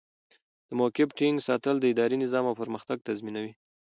د موقف ټینګ ساتل د ادارې نظم او پرمختګ تضمینوي.